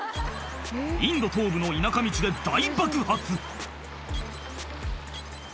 インド東部の田舎道で大爆発